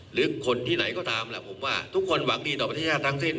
หรือคนที่ไหนก็ตามแหละผมว่าทุกคนหวังดีต่อประเทศชาติทั้งสิ้น